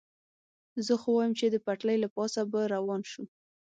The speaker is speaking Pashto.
زه خو وایم، چې د پټلۍ له پاسه به روان شو.